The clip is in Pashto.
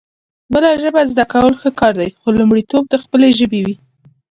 بله ژبه زده کول ښه کار دی خو لومړيتوب د خپلې ژبې وي